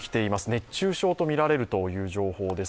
熱中症とみられるという情報です。